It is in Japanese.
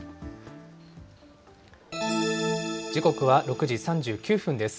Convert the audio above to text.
時刻は６時３９分です。